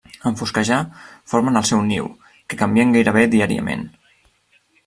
En fosquejar formen el seu niu, que canvien gairebé diàriament.